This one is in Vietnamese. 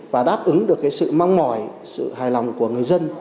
và đáp ứng được sự mong mỏi sự hài lòng của người dân